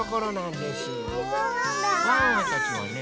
ワンワンたちはね